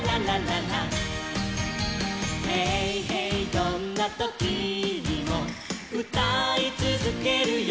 どんなときにもうたいつづけるよ」